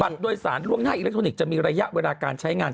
โดยสารล่วงหน้าอิเล็กทรอนิกส์จะมีระยะเวลาการใช้งาน